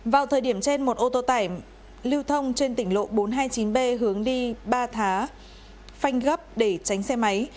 vào thời điểm trên một ô tô tải lưu thông trên tỉnh lộ bốn trăm hai mươi chín b hướng đi ba thá phanh gấp để tránh xe máy